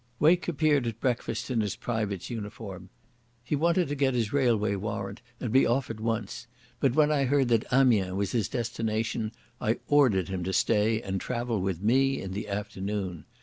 Wake appeared at breakfast in his private's uniform. He wanted to get his railway warrant and be off at once, but when I heard that Amiens was his destination I ordered him to stay and travel with me in the afternoon.